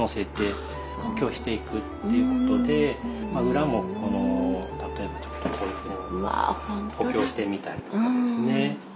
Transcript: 裏も例えばちょっとこういうふうに補強してみたりとかですね。